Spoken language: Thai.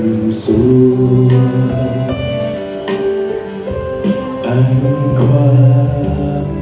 อันของน้ำตาลใกล้หมด